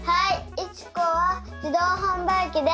いちこはじどうはんばいきです。